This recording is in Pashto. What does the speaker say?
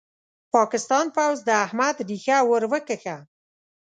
پاکستاني پوځ د احمد ريښه ور وکښه.